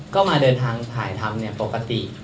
ก็มาเดินทางถ่ายทำปกติ